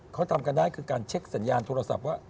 เขาทำกันได้คือการเช็คสัญญาณโทรศัพท์ว่า